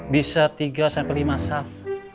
bisa tiga sampai lima saf